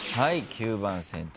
９番選択。